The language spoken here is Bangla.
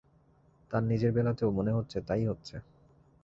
তাঁর নিজের বেলাতেও মনে হচ্ছে তা-ই হচ্ছে।